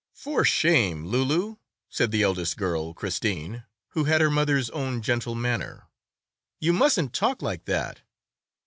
"For shame, Loulou!" said the eldest girl, Christine, who had her mother's own gentle manner. "You mustn't talk like that.